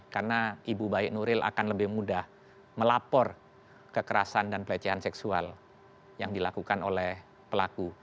karena ibu baik nuril akan lebih mudah melapor kekerasan dan pelecehan seksual yang dilakukan oleh pelaku